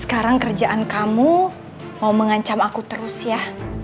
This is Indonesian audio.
sekarang kerjaan kamu mau mengancam aku terus ya